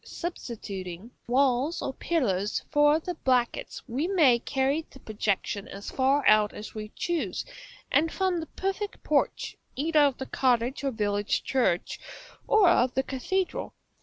Substituting walls or pillars for the brackets, we may carry the projection as far out as we choose, and form the perfect porch, either of the cottage or village church, or of the cathedral.